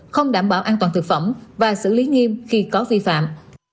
không đảm bảo an toàn thực phẩm và xử lý nghiêm khi có vi phạm